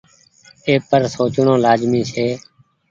اي پر سوچڻو لآزمي ڇي۔